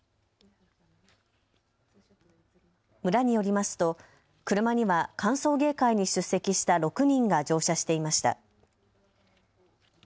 村によりますと車には歓送迎会に出席した６人が乗車していました。